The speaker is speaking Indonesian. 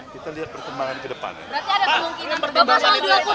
kita lihat perkembangan kedepannya